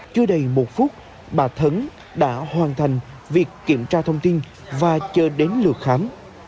chưa đầy một phút bà thấn đã hoàn thành việc kiểm tra thông tin và chờ đến lượt khám